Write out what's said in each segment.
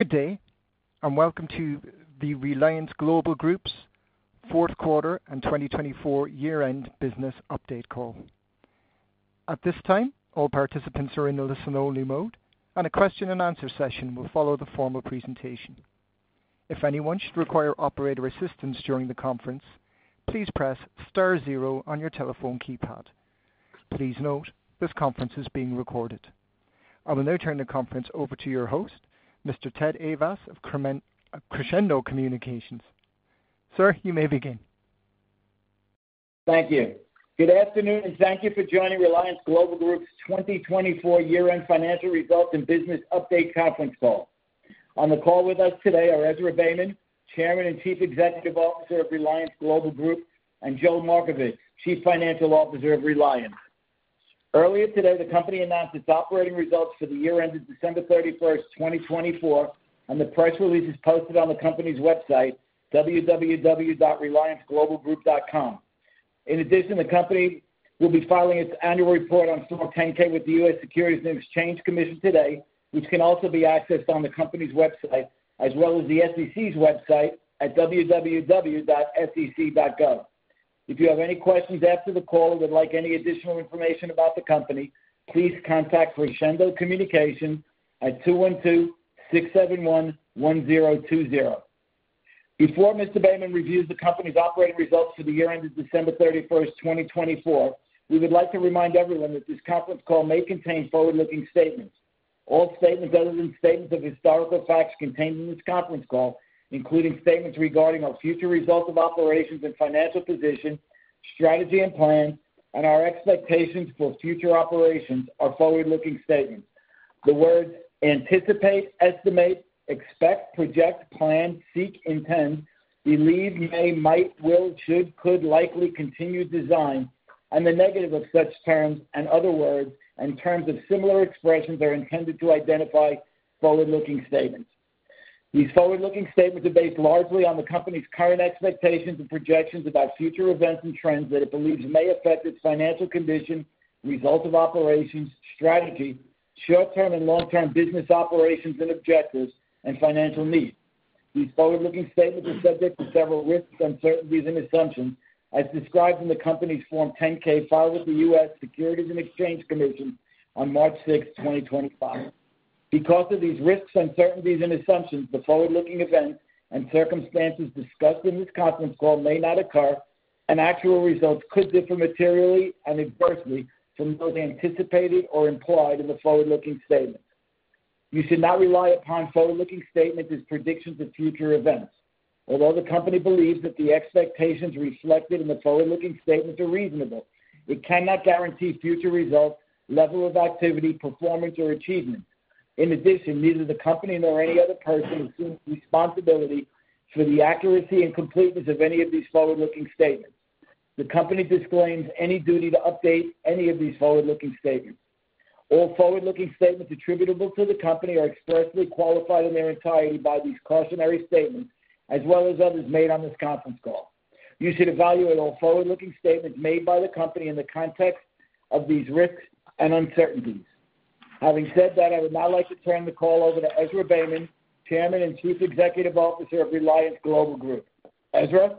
Good day, and welcome to the Reliance Global Group's Fourth Quarter and 2024 Year End Business Update Call. At this time, all participants are in the listen-only mode, and a question-and-answer session will follow the formal presentation. If anyone should require operator assistance during the conference, please press star zero on your telephone keypad. Please note, this conference is being recorded. I will now turn the conference over to your host, Mr. Ted Ayvas of Crescendo Communications. Sir, you may begin. Thank you. Good afternoon, and thank you for joining Reliance Global Group's 2024 year-end financial results and business update conference call. On the call with us today are Ezra Beyman, Chairman and Chief Executive Officer of Reliance Global Group, and Joel Markovits, Chief Financial Officer of Reliance. Earlier today, the company announced its operating results for the year-end of December 31, 2024, and the press release is posted on the company's website, www.relianceglobalgroup.com. In addition, the company will be filing its annual report on Form 10-K with the U.S. Securities and Exchange Commission today, which can also be accessed on the company's website, as well as the SEC's website at www.sec.gov. If you have any questions after the call or would like any additional information about the company, please contact Crescendo Communications at 212-671-1020. Before Mr. Beyman reviews the company's operating results for the year-end of December 31, 2024. We would like to remind everyone that this conference call may contain forward-looking statements. All statements other than statements of historical facts contained in this conference call, including statements regarding our future results of operations and financial position, strategy and plans, and our expectations for future operations, are forward-looking statements. The words anticipate, estimate, expect, project, plan, seek, intend, believe, may, might, will, should, could, likely, continue, design, and the negative of such terms and other words and terms of similar expressions are intended to identify forward-looking statements. These forward-looking statements are based largely on the company's current expectations and projections about future events and trends that it believes may affect its financial condition, results of operations, strategy, short-term and long-term business operations and objectives, and financial needs. These forward-looking statements are subject to several risks, uncertainties, and assumptions, as described in the company's Form 10-K filed with the U.S. Securities and Exchange Commission on March 6, 2025. Because of these risks, uncertainties, and assumptions, the forward-looking events and circumstances discussed in this conference call may not occur, and actual results could differ materially and adversely from those anticipated or implied in the forward-looking statements. You should not rely upon forward-looking statements as predictions of future events. Although the company believes that the expectations reflected in the forward-looking statements are reasonable, it cannot guarantee future results, level of activity, performance, or achievement. In addition, neither the company nor any other person assumes responsibility for the accuracy and completeness of any of these forward-looking statements. The company disclaims any duty to update any of these forward-looking statements. All forward-looking statements attributable to the company are expressly qualified in their entirety by these cautionary statements, as well as others made on this conference call. You should evaluate all forward-looking statements made by the company in the context of these risks and uncertainties. Having said that, I would now like to turn the call over to Ezra Beyman, Chairman and Chief Executive Officer of Reliance Global Group. Ezra?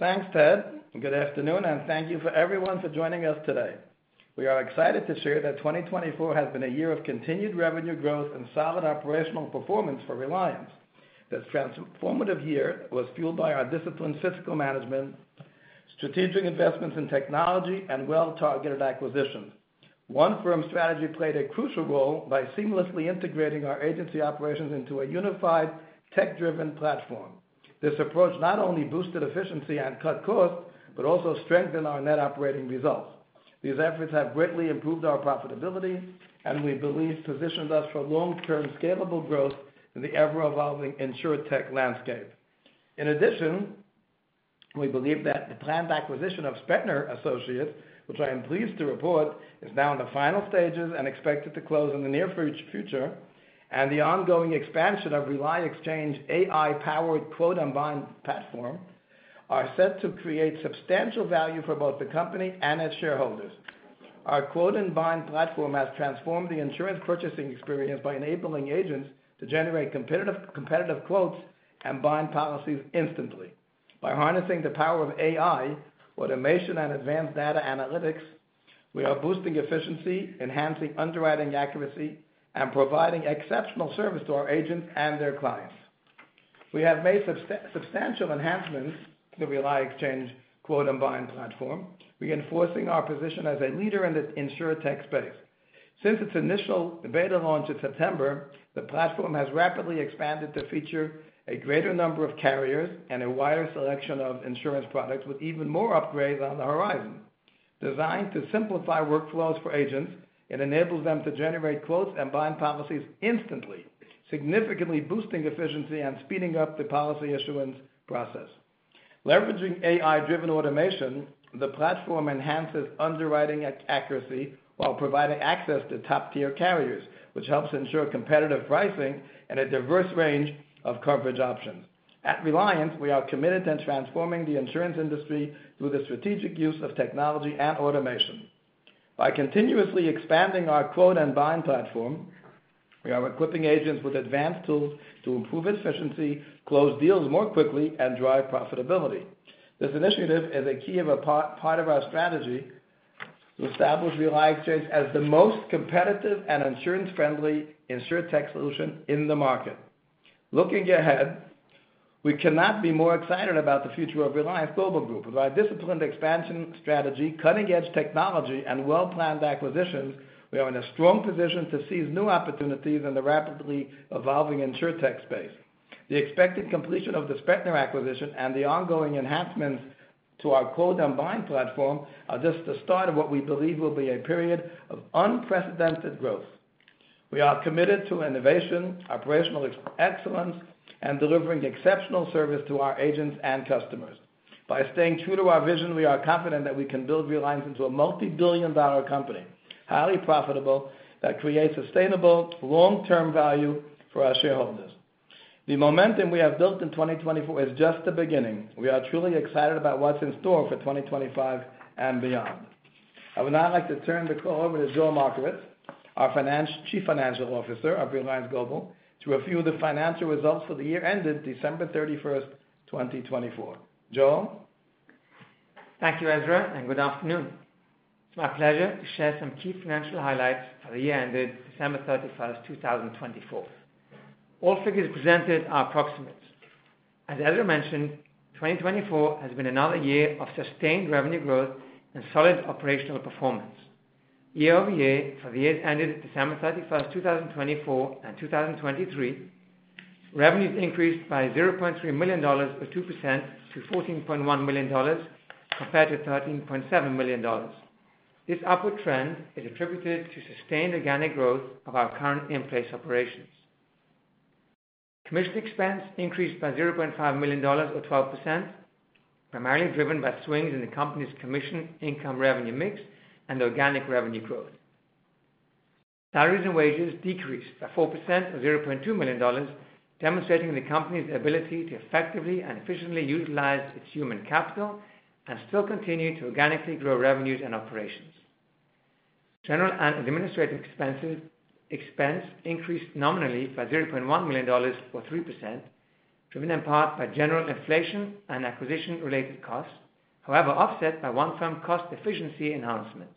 Thanks, Ted. Good afternoon, and thank you for everyone for joining us today. We are excited to share that 2024 has been a year of continued revenue growth and solid operational performance for Reliance. This transformative year was fueled by our disciplined fiscal management, strategic investments in technology, and well-targeted acquisitions. One Firm strategy played a crucial role by seamlessly integrating our agency operations into a unified, tech-driven platform. This approach not only boosted efficiency and cut costs but also strengthened our net operating results. These efforts have greatly improved our profitability, and we believe positioned us for long-term scalable growth in the ever-evolving InsurTech landscape. In addition, we believe that the planned acquisition of Spetner Associates, which I am pleased to report is now in the final stages and expected to close in the near future, and the ongoing expansion of Reliance Exchange's AI-powered quote-and-bind platform are set to create substantial value for both the company and its shareholders. Our quote-and-bind platform has transformed the insurance purchasing experience by enabling agents to generate competitive quotes and bind policies instantly. By harnessing the power of AI, automation, and advanced data analytics, we are boosting efficiency, enhancing underwriting accuracy, and providing exceptional service to our agents and their clients. We have made substantial enhancements to the Reliance Exchange quote-and-bind platform, reinforcing our position as a leader in the InsurTech space. Since its initial beta launch in September, the platform has rapidly expanded to feature a greater number of carriers and a wider selection of insurance products with even more upgrades on the horizon. Designed to simplify workflows for agents, it enables them to generate quotes and bind policies instantly, significantly boosting efficiency and speeding up the policy issuance process. Leveraging AI-driven automation, the platform enhances underwriting accuracy while providing access to top-tier carriers, which helps ensure competitive pricing and a diverse range of coverage options. At Reliance, we are committed to transforming the insurance industry through the strategic use of technology and automation. By continuously expanding our quote-and-bind platform, we are equipping agents with advanced tools to improve efficiency, close deals more quickly, and drive profitability. This initiative is a key part of our strategy to establish Reliance Exchange as the most competitive and insurance-friendly InsurTech solution in the market. Looking ahead, we cannot be more excited about the future of Reliance Global Group. With our disciplined expansion strategy, cutting-edge technology, and well-planned acquisitions, we are in a strong position to seize new opportunities in the rapidly evolving InsurTech space. The expected completion of the Spetner acquisition and the ongoing enhancements to our quote-and-bind platform are just the start of what we believe will be a period of unprecedented growth. We are committed to innovation, operational excellence, and delivering exceptional service to our agents and customers. By staying true to our vision, we are confident that we can build Reliance into a multi-billion-dollar company, highly profitable, that creates sustainable long-term value for our shareholders. The momentum we have built in 2024 is just the beginning. We are truly excited about what's in store for 2025 and beyond. I would now like to turn the call over to Joel Markovits, our Chief Financial Officer of Reliance Global Group, to review the financial results for the year ended December 31, 2024. Joel? Thank you, Ezra, and good afternoon. It's my pleasure to share some key financial highlights for the year ended December 31, 2024. All figures presented are approximates. As Ezra mentioned, 2024 has been another year of sustained revenue growth and solid operational performance. Year over year, for the years ended December 31, 2024 and 2023, revenues increased by $0.3 million, or 2%, to $14.1 million, compared to $13.7 million. This upward trend is attributed to sustained organic growth of our current in-place operations. Commission expense increased by $0.5 million, or 12%, primarily driven by swings in the company's commission income, revenue mix, and organic revenue growth. Salaries and wages decreased by 4%, or $0.2 million, demonstrating the company's ability to effectively and efficiently utilize its human capital and still continue to organically grow revenues and operations. General and administrative expense increased nominally by $0.1 million, or 3%, driven in part by general inflation and acquisition-related costs, however offset by One Firm's cost efficiency enhancements.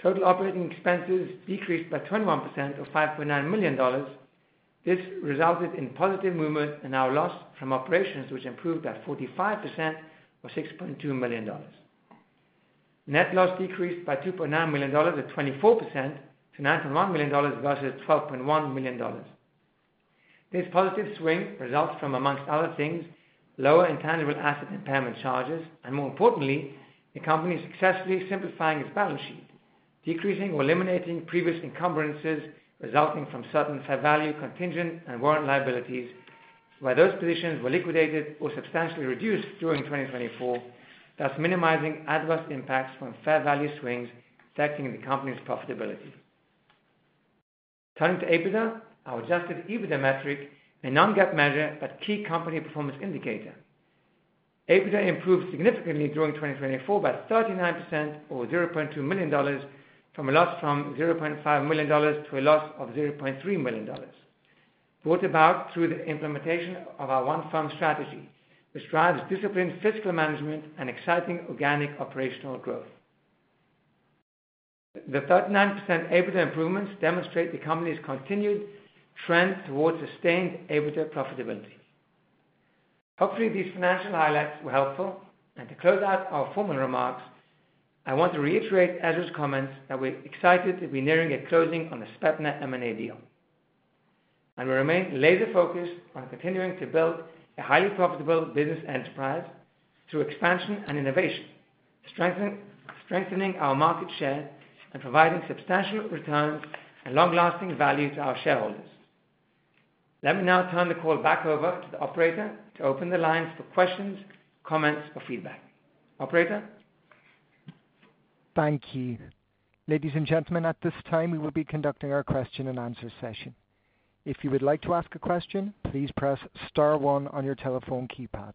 Total operating expenses decreased by 21%, or $5.9 million. This resulted in positive movement in our loss from operations, which improved by 45%, or $6.2 million. Net loss decreased by $2.9 million, or 24%, to $9.1 million versus $12.1 million. This positive swing results from, amongst other things, lower intangible asset impairment charges, and more importantly, the company successfully simplifying its balance sheet, decreasing or eliminating previous encumbrances resulting from certain fair value contingent and warrant liabilities, where those positions were liquidated or substantially reduced during 2024, thus minimizing adverse impacts from fair value swings affecting the company's profitability. Turning to EBITDA, our adjusted EBITDA metric, a non-GAAP measure but key company performance indicator, EBITDA improved significantly during 2024 by 39%, or $0.2 million, from a loss from $0.5 million to a loss of $0.3 million, brought about through the implementation of our One Firm strategy, which drives disciplined fiscal management and exciting organic operational growth. The 39% EBITDA improvements demonstrate the company's continued trend towards sustained EBITDA profitability. Hopefully, these financial highlights were helpful, and to close out our formal remarks, I want to reiterate Ezra's comments that we're excited to be nearing a closing on the Spetner M&A deal, and we remain laser-focused on continuing to build a highly profitable business enterprise through expansion and innovation, strengthening our market share and providing substantial returns and long-lasting value to our shareholders. Let me now turn the call back over to the operator to open the lines for questions, comments, or feedback. Operator? Thank you. Ladies and gentlemen, at this time, we will be conducting our question-and-answer session. If you would like to ask a question, please press star one on your telephone keypad.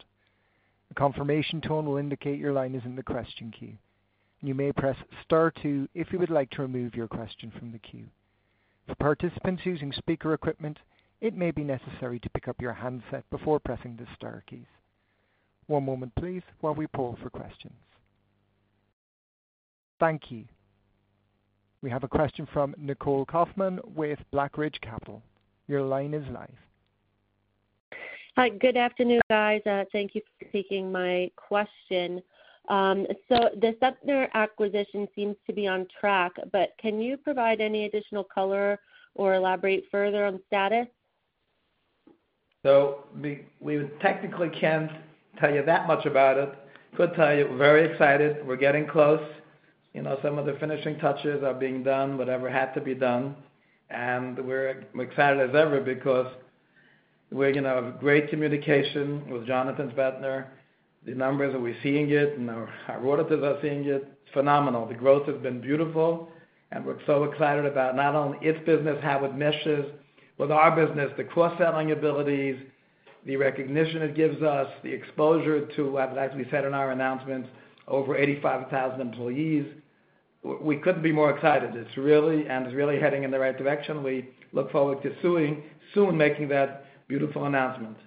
A confirmation tone will indicate your line is in the question queue. You may press star two if you would like to remove your question from the queue. For participants using speaker equipment, it may be necessary to pick up your handset before pressing the Star keys. One moment, please, while we pull for questions. Thank you. We have a question from Nicole Kaufman with Blackridge Capital. Your line is live. Hi, good afternoon, guys. Thank you for taking my question. The Spetner acquisition seems to be on track, but can you provide any additional color or elaborate further on status? We technically can't tell you that much about it. I could tell you we're very excited. We're getting close. Some of the finishing touches are being done, whatever had to be done. We're excited as ever because we're in great communication with Jonathan Spetner. The numbers that we're seeing it and our auditors are seeing it, it's phenomenal. The growth has been beautiful, and we're so excited about not only its business, how it meshes with our business, the cross-selling abilities, the recognition it gives us, the exposure to, as we said in our announcements, over 85,000 employees. We couldn't be more excited. It's really heading in the right direction. We look forward to soon making that beautiful announcement.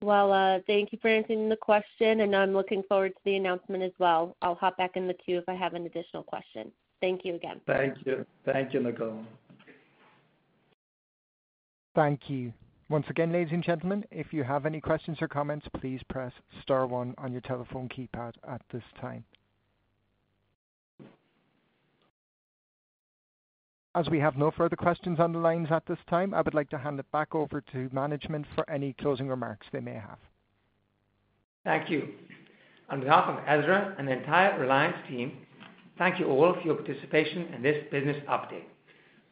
Thank you for answering the question, and I'm looking forward to the announcement as well. I'll hop back in the queue if I have an additional question. Thank you again. Thank you. Thank you, Nicole. Thank you. Once again, ladies and gentlemen, if you have any questions or comments, please press star one on your telephone keypad at this time. As we have no further questions on the lines at this time, I would like to hand it back over to management for any closing remarks they may have. Thank you. On behalf of Ezra and the entire Reliance team, thank you all for your participation in this business update.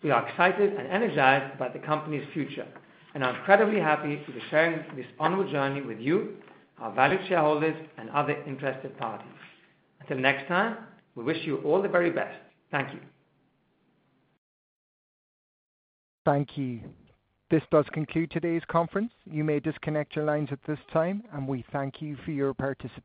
We are excited and energized about the company's future, and are incredibly happy to be sharing this honorable journey with you, our valued shareholders, and other interested parties. Until next time, we wish you all the very best. Thank you. Thank you. This does conclude today's conference. You may disconnect your lines at this time, and we thank you for your participation.